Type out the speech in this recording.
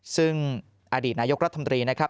ซึ่งอดีตนายกรัฐมนตรีนะครับ